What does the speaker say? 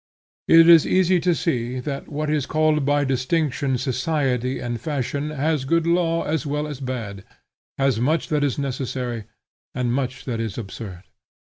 It is easy to see, that what is called by distinction society and fashion has good laws as well as bad, has much that is necessary, and much that is absurd.